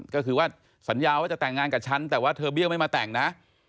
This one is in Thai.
ก็คือว่าสัญญาว่าจะแต่งงานกับฉันแต่ว่าเธอเบี้ยวไม่มาแต่งนะ